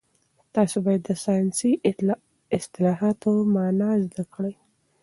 تاسي باید د ساینسي اصطلاحاتو مانا زده کړئ.